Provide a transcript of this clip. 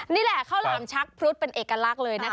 นี่แหละข้าวหลามชักพรุษเป็นเอกลักษณ์เลยนะคะ